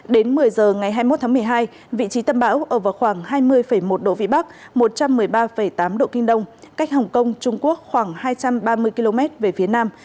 đến một mươi giờ ngày hai mươi một tháng một mươi hai vị trí tâm bão ở vào khoảng hai mươi một độ vĩ bắc một trăm một mươi ba tám độ kinh đông cách hồng kông trung quốc khoảng hai trăm ba mươi km về phía nam